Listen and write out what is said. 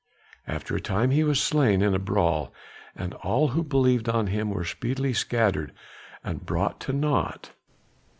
After a time he was slain in a brawl, and all who believed on him were speedily scattered and brought to naught.